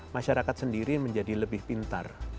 masyarakat sendiri menjadi lebih pintar